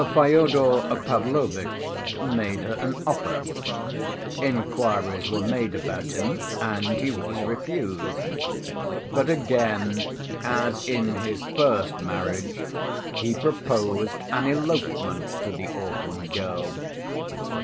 Fyodor Pavlovitch made her an offer; inquiries were made about him and he was refused. But again, as in his first marriage, he proposed an elopement to the orphan girl.